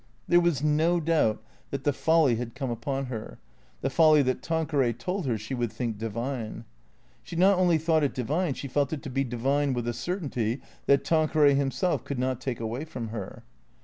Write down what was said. There was no doubt that the folly had come upon her ; the folly that Tanqueray told her she would think divine. She not only thought it divine, she felt it to be divine with a certainty that Tanqueray himself could not take away from her.